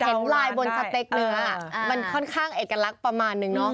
เห็นลายบนสติ๊กหนึ่งน่ะมันค่อนข้างเอกลักษณ์ประมาณหนึ่ง